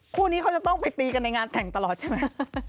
คู่นี้เขาจะต้องไปตีกันในงานแต่งตลอดใช่ไหม